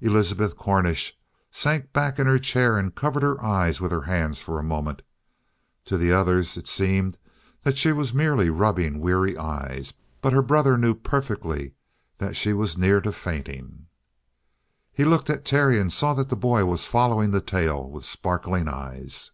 Elizabeth Cornish sank back in her chair and covered her eyes with her hands for a moment. To the others it seemed that she was merely rubbing weary eyes. But her brother knew perfectly that she was near to fainting. He looked at Terry and saw that the boy was following the tale with sparkling eyes.